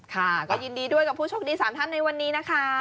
ค่ะก็ยินดีด้วยกับผู้โชคดี๓ท่านในวันนี้นะคะ